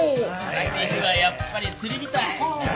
酒にはやっぱりすり身たい。